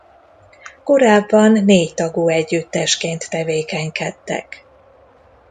Korábban négy tagú együttesként tevékenykedtek.